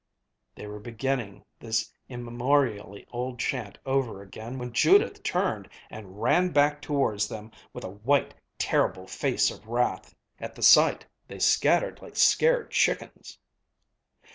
They were beginning this immemorially old chant over again when Judith turned and ran back towards them with a white, terrible face of wrath. At the sight they scattered like scared chickens.